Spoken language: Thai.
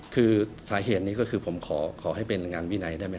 คือสาเหตุนี้ก็คือผมขอให้เป็นงานวินัยได้ไหม